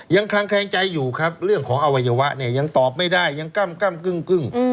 คลังแคลงใจอยู่ครับเรื่องของอวัยวะเนี่ยยังตอบไม่ได้ยังก้ำกึ้ง